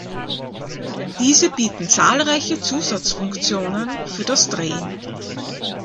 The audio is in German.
Diese bieten zahlreiche Zusatzfunktionen für das Drehen.